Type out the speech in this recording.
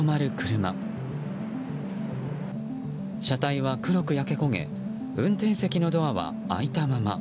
車体は黒く焼け焦げ運転席のドアは開いたまま。